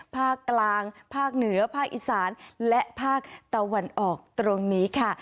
ภาคกลางภาคเหนือภาคอีสานและภาคตะวันออกตรงนี้ค่ะ